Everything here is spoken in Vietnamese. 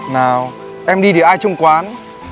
nào em đi thì ai trông quán